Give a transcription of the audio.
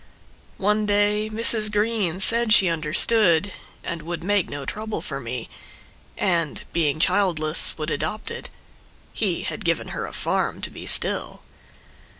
One day Mrs. Greene said she understood, And would make no trouble for me, And, being childless, would adopt it. (He had given her a farm to be still.)